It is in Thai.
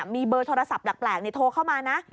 มีเบอร์โทรศัพท์แปลกโทรเข้ามานะ